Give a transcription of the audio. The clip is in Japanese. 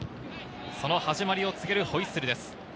その始まりを告げるホイッスルです。